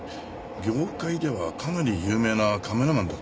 業界ではかなり有名なカメラマンだったようです。